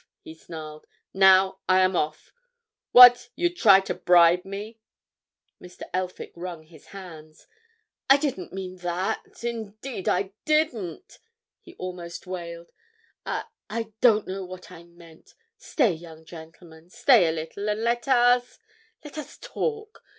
he snarled. "Now, I am off! What, you'd try to bribe me?" Mr. Elphick wrung his hands. "I didn't mean that—indeed I didn't!" he almost wailed. "I—I don't know what I meant. Stay, young gentleman, stay a little, and let us—let us talk.